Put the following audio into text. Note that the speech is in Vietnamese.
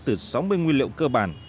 từ sáu mươi nguyên liệu cơ bản